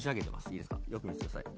いいですかよく見ててください